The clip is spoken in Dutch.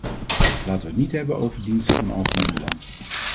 Laten we het niet hebben over diensten van algemeen belang.